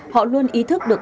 họ luôn ý thức được